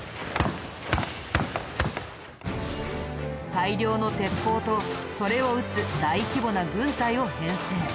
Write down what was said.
大量の鉄砲とそれを撃つ大規模な軍隊を編成。